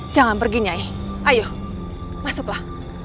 jangan pergi nyai ayo masuklah